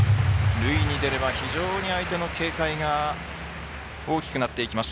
塁に出れば非常に相手の警戒が大きくなってきます。